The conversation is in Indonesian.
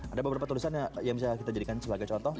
ada beberapa tulisan yang bisa kita jadikan sebagai contoh